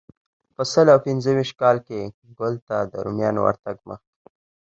په سل او پنځه ویشت کال کې ګول ته د رومیانو ورتګ مخکې.